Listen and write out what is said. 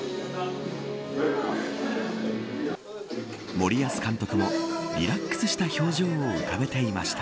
森保監督もリラックスした表情を浮かべていました。